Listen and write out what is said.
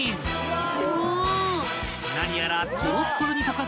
［何やら］